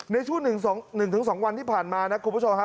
ในช่วง๑๒วันที่ผ่านมานะคุณผู้ชมฮะ